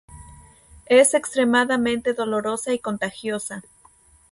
Es extremadamente dolorosa y contagiosa.